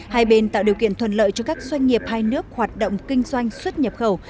hai bên tạo điều kiện thuận lợi cho các doanh nghiệp hai nước hoạt động kinh doanh xuất nhập khẩu